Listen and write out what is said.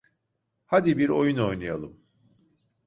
Hadi bir oyun oynayalım.